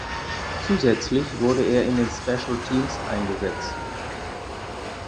Zusätzlich wurde er in den Special Teams eingesetzt.